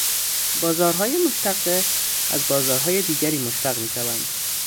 بازارهای مشتقه، از بازارهای دیگری مشتق میشوند